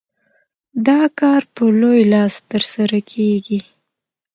دا کار په لوی لاس ترسره کېږي.